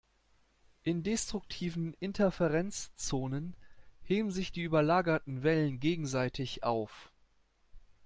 In destruktiven Interferenzzonen heben sich die überlagerten Wellen gegenseitig auf.